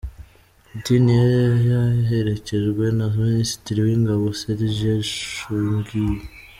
Putin yari yaherekejwe na Minisitiri w’Ingabo, Sergei Shoigu.